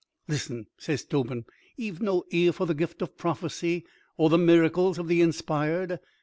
"Listen," says Tobin. "Ye've no ear for the gift of prophecy or the miracles of the inspired.